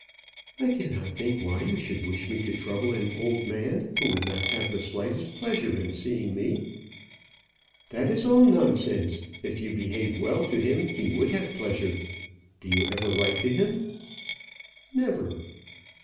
"I cannot think why you should wish me to trouble an old man who would not have the slightest pleasure in seeing me." "That is all nonsense. If you behaved well to him, he would have pleasure. Do you ever write to him?" "Never."